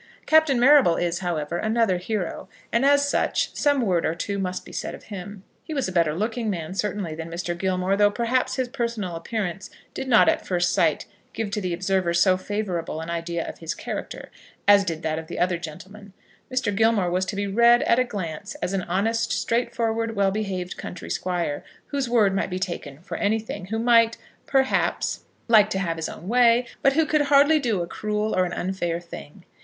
Captain Marrable is, however, another hero, and, as such, some word or two must be said of him. He was a better looking man, certainly, than Mr. Gilmore, though perhaps his personal appearance did not at first sight give to the observer so favourable an idea of his character as did that of the other gentleman. Mr. Gilmore was to be read at a glance as an honest, straightforward, well behaved country squire, whose word might be taken for anything, who might, perhaps, like to have his own way, but who could hardly do a cruel or an unfair thing.